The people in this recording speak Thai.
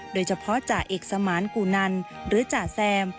โดยเฉพาะจ่าเอกสมาร์นกูนันหรือจ่าแซม